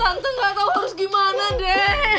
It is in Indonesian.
tante gak tau harus gimana dek